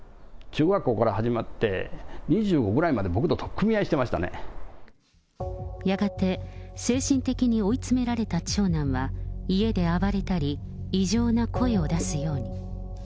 中学校から始まって、２５ぐらいまで、僕と取っ組み合いしてましやがて、精神的に追い詰められた長男は、家で暴れたり、異常な声を出すように。